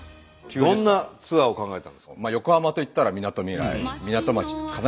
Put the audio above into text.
どんなツアーを考えたんですか？